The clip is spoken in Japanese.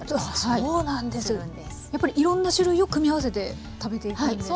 やっぱりいろんな種類を組み合わせて食べていくんですね。